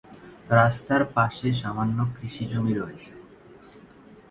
রাস্তার পাশে সামান্য কৃষি জমি রয়েছে।